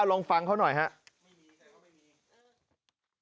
ลองฟังเขาหน่อยฮะไม่มีแต่เขาไม่มีเออ